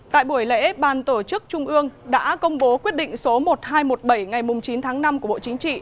tại buổi lễ ban tổ chức trung ương đã công bố quyết định số một nghìn hai trăm một mươi bảy ngày chín tháng năm của bộ chính trị